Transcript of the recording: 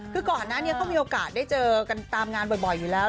คือก่อนหน้านี้เขามีโอกาสได้เจอกันตามงานบ่อยอยู่แล้ว